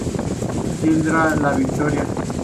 Sidra La Victoria.